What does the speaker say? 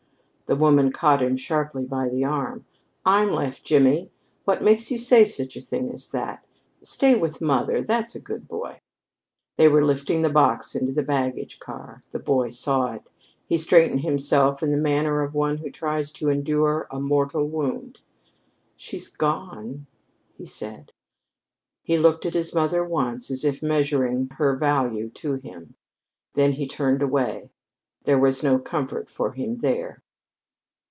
The woman caught him sharply by the arm. "I'm left, Jimmy. What makes you say such a thing as that? Stay with mother, that's a good boy." They were lifting the box into the baggage car. The boy saw it. He straightened himself in the manner of one who tries to endure a mortal wound. "She's gone," he said. He looked at his mother once, as if measuring her value to him. Then he turned away. There was no comfort for him there.